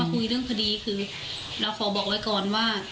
คุยเรื่องคดีคือเราขอบอกไว้ก่อนว่า